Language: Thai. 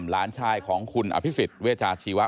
หลานชายของคุณอภิษฎเวชาชีวะ